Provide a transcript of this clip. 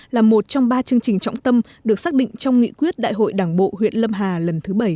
là một trong ba chương trình trọng tâm được xác định trong nghị quyết đại hội đảng bộ huyện lâm hà lần thứ bảy